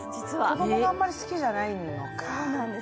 子供があんまり好きじゃないのか。